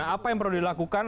apa yang perlu dilakukan